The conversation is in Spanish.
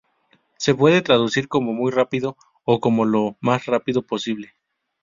Se puede traducir como "muy rápido" o como "lo más rápido posible".